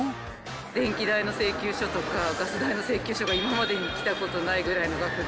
電気代の請求書とか、ガス代の請求書が今までに来たことないぐらいの額で。